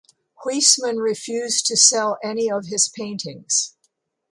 Huisman refused to sell any of his paintings.